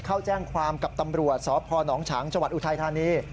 เข้าแจ้งความกับตำรวจสพนฉางจังหวัดอุทัยธานี